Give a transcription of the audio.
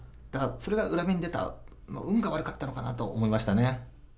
それが裏目に出た、運が悪かったのかなと思いましたね。